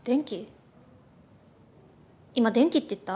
今電気って言った？